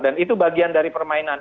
dan itu bagian dari permainan